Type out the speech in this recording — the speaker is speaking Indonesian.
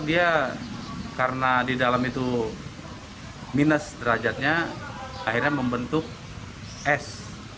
dia karena di dalam itu minus derajatnya akhirnya membentuk es